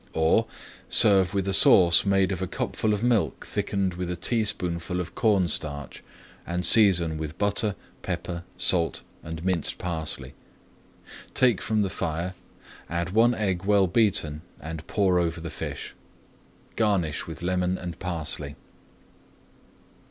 Or, serve with a sauce made of a cupful of milk thickened with a teaspoonful of cornstarch, and season with butter, pepper, salt, and minced parsley. Take from the fire, add one egg well beaten, and pour over the fish. Garnish with lemon and parsley.